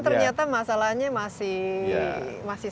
ternyata masalahnya masih